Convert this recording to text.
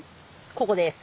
ここです。